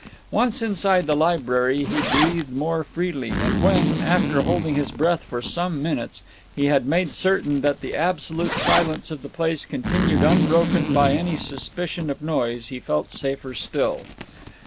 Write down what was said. Once inside the library he breathed more freely, and when, after holding his breath for some minutes, he had made certain that the absolute silence of the place continued unbroken by any suspicion of noise, he felt safer still.